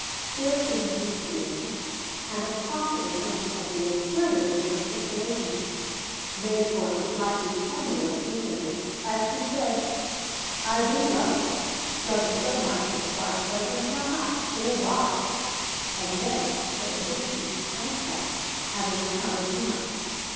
Fear seemed to be feeling, and a possible sense of the absurdity of her situation made for a slightly tremulous dignity as she said: "I do love it. Love it so much it is hard to tell just how much or why." And then it was as if she shrank back, having uncovered too much.